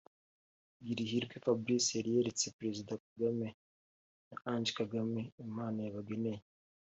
Girihirwe Fabrice yari yeretse Perezida Kagame na Ange Kagame impano yabageneye